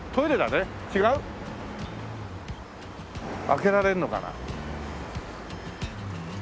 開けられるのかな？